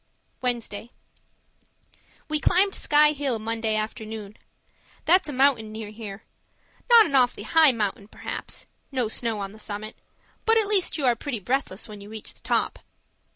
Wednesday We climbed Sky Hill Monday afternoon. That's a mountain near here; not an awfully high mountain, perhaps no snow on the summit but at least you are pretty breathless when you reach the top.